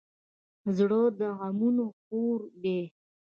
زړه د غمونو کور دی.